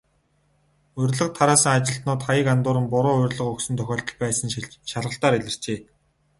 Урилга тараасан ажилтнууд хаяг андууран, буруу урилга өгсөн тохиолдол байсан нь шалгалтаар илэрчээ.